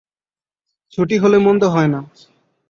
ছুটি হলে মন্দ হয় না।